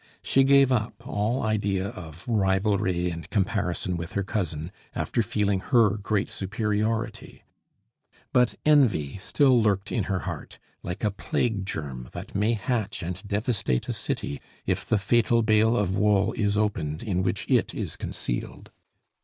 She gave up all idea of rivalry and comparison with her cousin after feeling her great superiority; but envy still lurked in her heart, like a plague germ that may hatch and devastate a city if the fatal bale of wool is opened in which it is concealed.